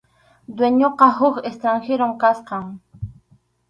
Dueñonqa huk extranjerom karqan.